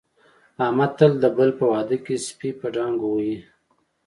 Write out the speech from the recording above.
احمد تل د بل په واده کې سپي په ډانګو وهي.